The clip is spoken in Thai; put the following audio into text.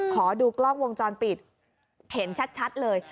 ขอดูกล้องวงจรปิดเห็นชัดเลย